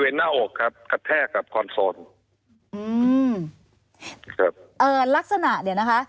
บริเวณหน้าอกครับคัดแทรกกับคอนโซนอืมครับเออลักษณะเนี่ยนะคะ